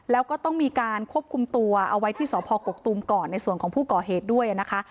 แล้วก็ต้องมีการควบคุมตัวเอาไว้ที่สพกกตูมก่อนในส่วนของผู้ก่อเหตุด้วยนะคะ